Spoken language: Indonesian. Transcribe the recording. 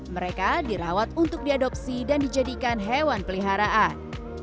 mereka dirawat untuk diadopsi dan dijadikan hewan peliharaan